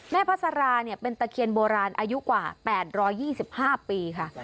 แม่พระสาราเนี่ยเป็นตะเคียนโบราณอายุกว่า๘๒๕ปีค่ะ